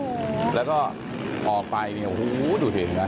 โอ้โฮแล้วก็ออกไปดูเห็นไหม